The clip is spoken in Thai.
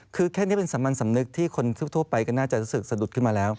คือแค่นี้เป็นสามัญสำนึกที่คนทั่วไปก็น่าจะรู้สึกสะดุดขึ้นมาแล้ว